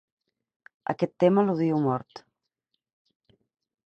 Aquest tema l'odio a mort.